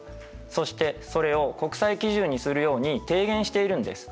そしてそれを国際基準にするように提言しているんです。